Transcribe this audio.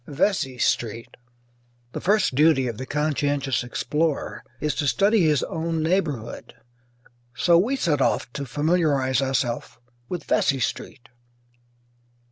VESEY STREET The first duty of the conscientious explorer is to study his own neighbourhood, so we set off to familiarize ourself with Vesey Street.